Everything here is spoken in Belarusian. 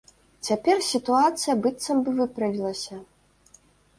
Цяпер сітуацыя быццам бы выправілася.